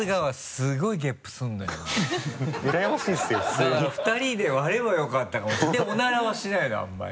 だから２人で割ればよかったかも。でオナラはしないのあんまり。